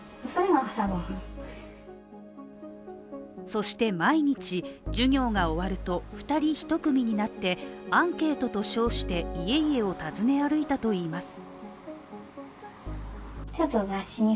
そして毎日授業が終わると、２人１組になってアンケートと称して家々を訪ね歩いたといいます。